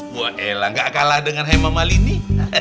wah eh lah ga kalah dengan hema malini